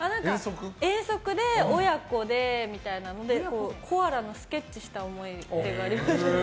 遠足で、親子でみたいなのでコアラのスケッチした思い出があります。